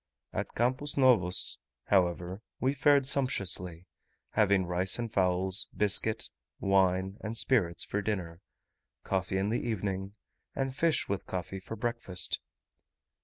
At Campos Novos, however, we fared sumptuously; having rice and fowls, biscuit, wine, and spirits, for dinner; coffee in the evening, and fish with coffee for breakfast.